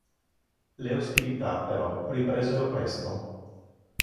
Le ostilità però ripresero presto.